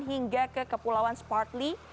hingga ke kepulauan spartli